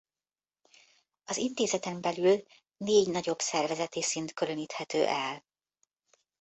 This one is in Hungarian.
Az intézeten belül négy nagyobb szervezeti szint különíthető el.